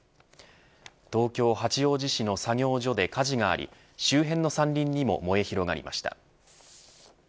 東京、八王子市の作業所で火事があり周辺の山林にも燃え広がりました。